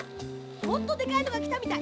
もっとでかいのがきたみたい。